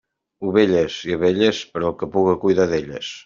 Ovelles i abelles, per al que puga cuidar d'elles.